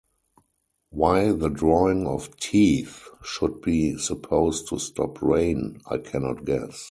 Why the drawing of teeth should be supposed to stop rain, I cannot guess.